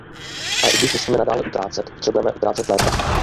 A i když musíme nadále utrácet, potřebujeme utrácet lépe.